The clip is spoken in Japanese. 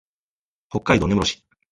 北海道根室市